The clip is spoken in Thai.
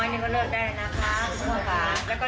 อย่าหักลูกน้ำให้หนัดมากนะคะ